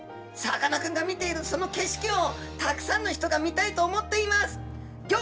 さかなクンが見ている、その景色を、たくさんの人が見たいと思っています。